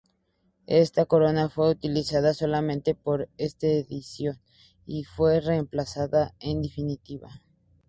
Esta corona fue utilizada solamente por esta edición, y fue reemplazada en definitiva.